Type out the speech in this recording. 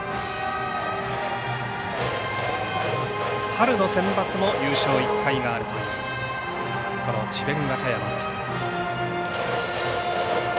春のセンバツも優勝１回がある智弁和歌山です。